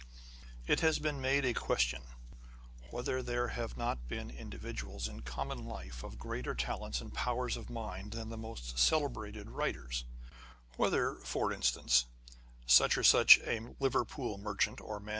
â€¢ It has been made a question whether there have not been individuals in common life of greater talents and powers of mind than the most celebrated writers â€" whether, for instance, such or such a Liverpool merchant, or Man On the Conversation of Authors.